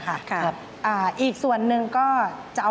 ตื่นขึ้นมาอีกทีตอน๑๐โมงเช้า